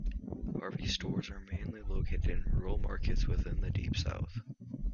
Harveys stores are mainly located in rural markets within the Deep South.